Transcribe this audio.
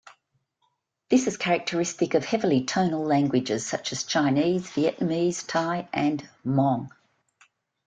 This is characteristic of heavily tonal languages such as Chinese, Vietnamese, Thai, and Hmong.